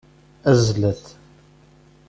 Azzlet!